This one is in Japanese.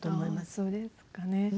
そうですかね。ね？